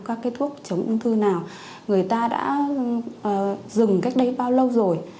các cái thuốc chống ung thư nào người ta đã dừng cách đây bao lâu rồi